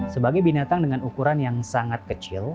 sebagai binatang dengan ukuran yang sangat kecil